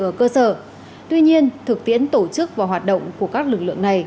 ở cơ sở tuy nhiên thực tiễn tổ chức và hoạt động của các lực lượng này